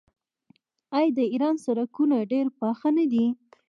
آیا د ایران سړکونه ډیر پاخه نه دي؟